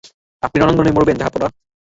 আপনি রণাঙ্গনেই মরবেন, জাহাঁপনা।